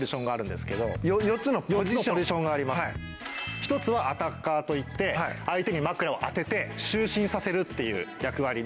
１つはアタッカーといって相手に枕を当てて就寝させるっていう役割の。